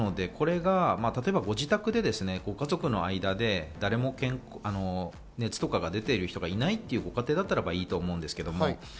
例えばご自宅でご家族の間で誰も熱とかが出ている人がいないというご家庭だったらばいいと思うんですけど。